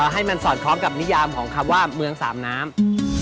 ให้มันสอดคล้องกับนิยามของคำว่าเมืองสามน้ำ